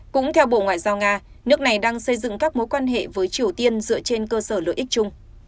cũng theo bộ ngoại giao nga nước này đang xây dựng các mối quan hệ với triều tiên dựa trên cơ sở lợi ích chung